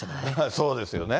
そうですよね。